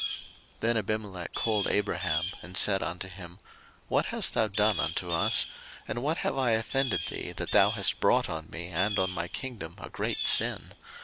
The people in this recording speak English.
01:020:009 Then Abimelech called Abraham, and said unto him, What hast thou done unto us? and what have I offended thee, that thou hast brought on me and on my kingdom a great sin?